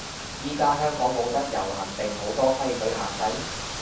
依家香港冇得遊行定好多規矩限制？